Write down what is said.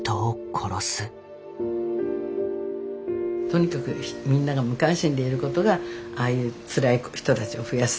とにかくみんなが無関心でいることがああいうつらい人たちを増やすんだと。